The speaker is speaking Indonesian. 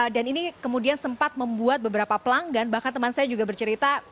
dan ini kemudian sempat membuat beberapa pelanggan bahkan teman saya juga bercerita